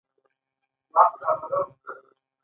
الف پانګوال غواړي چې ټوله ګټه په جېب کې واچوي